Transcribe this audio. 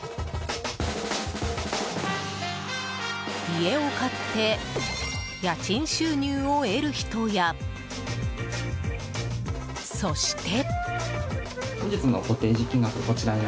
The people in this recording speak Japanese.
家を買って家賃収入を得る人やそして。